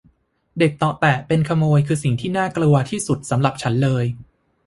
เด็กเตาะแตะเป็นขโยงคือสิ่งที่น่ากลัวที่สุดสำหรับฉันเลย